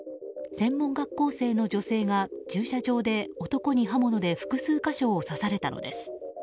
専門学校生の女性が駐車場で男に刃物で複数箇所を刺されたのです。